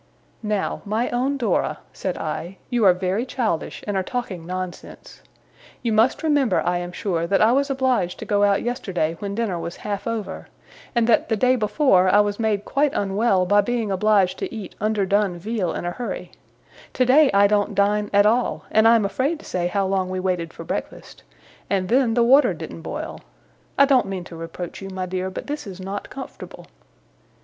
'Now, my own Dora,' said I, 'you are very childish, and are talking nonsense. You must remember, I am sure, that I was obliged to go out yesterday when dinner was half over; and that, the day before, I was made quite unwell by being obliged to eat underdone veal in a hurry; today, I don't dine at all and I am afraid to say how long we waited for breakfast and then the water didn't boil. I don't mean to reproach you, my dear, but this is not comfortable.